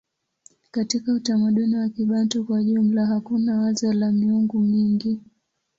Katika utamaduni wa Kibantu kwa jumla hakuna wazo la miungu mingi.